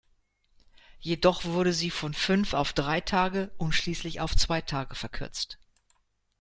Jedoch wurde sie von fünf auf drei Tage und schließlich auf zwei Tage verkürzt.